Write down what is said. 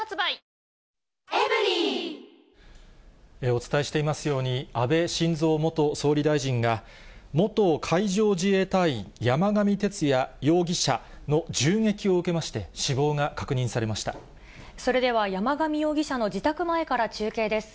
お伝えしていますように、安倍晋三元総理大臣が、元海上自衛隊員、山上徹也容疑者の銃撃を受けまして、死亡が確認それでは山上容疑者の自宅前から中継です。